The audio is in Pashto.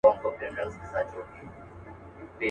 پوهېدل چي د منلو هر گز نه دي.